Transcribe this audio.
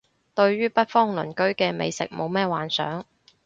對於北方鄰居嘅美食冇咩幻想